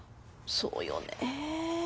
そうよねぇ。